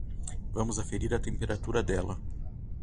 Vamos aferir a temperatura dela.